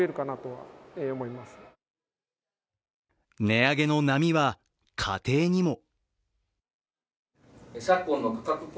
値上げの波は家庭にも。